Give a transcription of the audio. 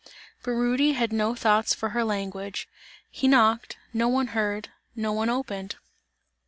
but Rudy had no thoughts for her language, he knocked, no one heard, no one opened.